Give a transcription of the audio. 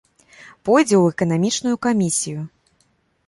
Пойдзе ў эканамічную камісію!